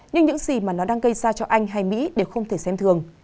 nhưng những gì mà nó đang gây ra cho anh hay mỹ đều không thể xem thường